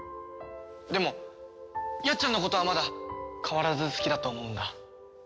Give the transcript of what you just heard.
でもヤッちゃんのことはまだ変わらず好きだと思うんだ。